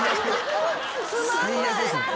つまんない。